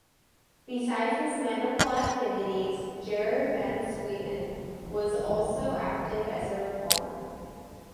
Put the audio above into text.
Beside his medical activities, Gerard van Swieten was also active as a reformer.